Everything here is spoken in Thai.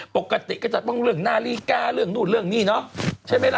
ปกติก็จะต้องเรื่องนาฬิกาเรื่องนู่นเรื่องนี่เนาะใช่ไหมล่ะ